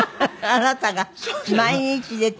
あなたが毎日出ている。